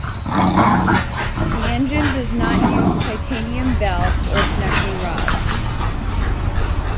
The engine does not use titanium valves or connecting rods.